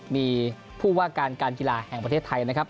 มีผู้ว่าการการกีฬาแห่งประเทศไทยนะครับ